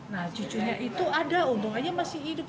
nah cucunya itu ada untungannya masih hidup